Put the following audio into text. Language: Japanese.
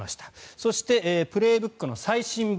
そして「プレーブック」の最新版